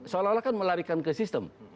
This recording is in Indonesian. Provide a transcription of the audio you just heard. seolah olah kan melarikan ke sistem